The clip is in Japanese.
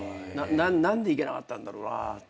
何でいけなかったんだろうなって。